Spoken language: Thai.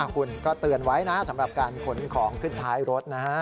คุณก็เตือนไว้นะสำหรับการขนของขึ้นท้ายรถนะฮะ